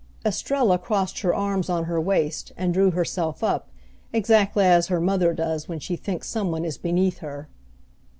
Estrella crossed her arms on her waist, and drew herself up, exactly as her mother does when she thinks some one is beneath her.